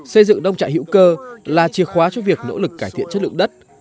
xây dựng nông trại hữu cơ là chìa khóa cho việc nỗ lực cải thiện chất lượng đất